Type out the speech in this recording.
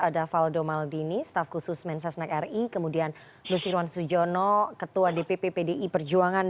ada waldo maldini staf khusus mensa snack ri kemudian nusirwan sujono ketua dpp pdi perjuangan